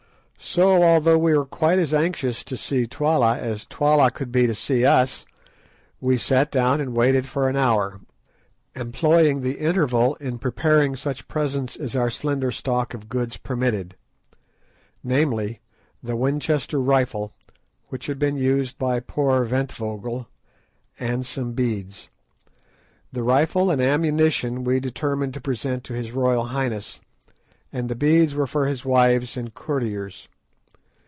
So, although we were quite as anxious to see Twala as Twala could be to see us, we sat down and waited for an hour, employing the interval in preparing such presents as our slender stock of goods permitted—namely, the Winchester rifle which had been used by poor Ventvögel, and some beads. The rifle and ammunition we determined to present to his royal highness, and the beads were for his wives and courtiers.